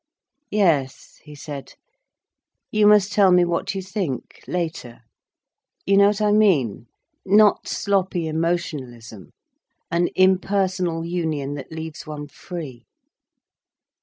"Yes," he said. "You must tell me what you think, later. You know what I mean? Not sloppy emotionalism. An impersonal union that leaves one free."